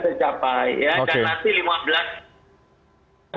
tercapai ya dan nanti lima belas